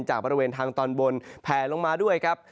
บริเวณทางตอนบนแผลลงมาด้วยครับ